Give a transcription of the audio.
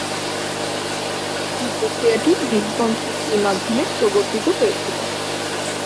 এ প্রক্রিয়াটি লিসবন চুক্তির মাধ্যমে প্রবর্তিত হয়েছিল।